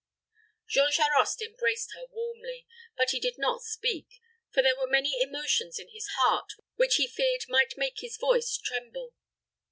Jean Charost embraced her warmly, but he did not speak; for there were many emotions in his heart which he feared might make his voice tremble.